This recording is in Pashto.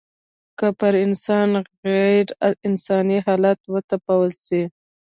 که پر انسان غېر انساني حالات وتپل سي